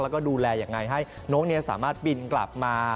แล้วก็ดูแลยังไงให้น้องสามารถบินกลับมา